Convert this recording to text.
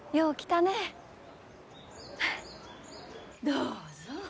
どうぞ。